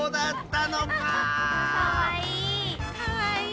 かわいい。